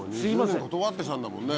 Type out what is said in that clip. ２０年断ってきたんだもんね。